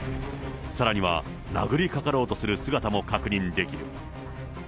さらには殴りかかろうとする姿も確認できる。